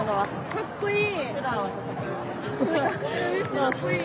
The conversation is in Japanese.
かっこいい。